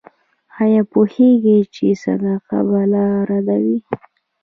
ایا پوهیږئ چې صدقه بلا ردوي؟